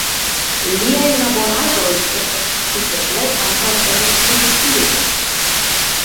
Liaj laboraĵoj estis videblaj ankaŭ en ekspozicioj.